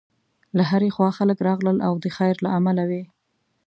له هرې خوا خلک راغلل او د خیر له امله وې.